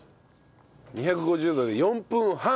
２５０度で４分半。